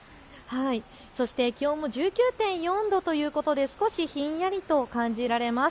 気温も１９．４度ということで少しひんやりと感じられます。